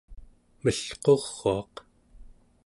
melquruaq